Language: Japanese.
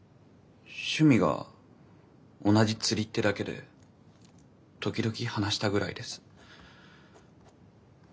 趣味が同じ釣りってだけで時々話したぐらいです。